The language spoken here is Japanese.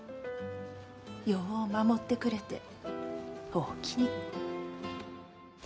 よう守ってくれておおきに。